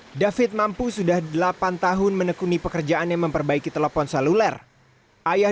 hai david mampu sudah delapan tahun menekuni pekerjaan yang memperbaiki telepon saluler ayah